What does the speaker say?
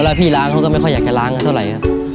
แล้วพี่ล้างเขาก็ไม่ค่อยอยากจะล้างเท่าไหร่ครับ